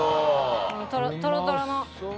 トロトロの。